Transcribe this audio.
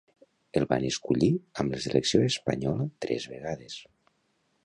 El van escollir amb la selecció espanyola tres vegades.